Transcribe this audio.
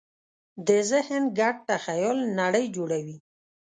د ذهن ګډ تخیل نړۍ جوړوي.